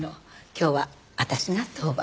今日は私が当番。